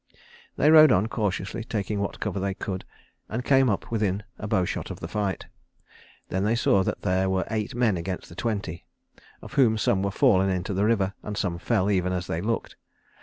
They rode on cautiously, taking what cover they could, and came up within a bowshot of the fight. Then they saw that there were eight men against the twenty, of whom some were fallen into the river, and some fell even as they looked.